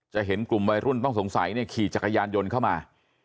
เห็นกลุ่มวัยรุ่นต้องสงสัยเนี่ยขี่จักรยานยนต์เข้ามา